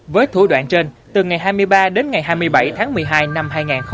với thủ đoạn trên từ ngày hai mươi ba đến ngày hai mươi bảy tháng một mươi hai năm hai nghìn hai mươi ba